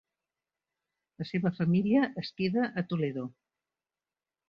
La seva família es queda a Toledo.